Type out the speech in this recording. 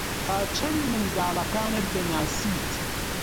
تا چەند منداڵەکانت دەناسیت؟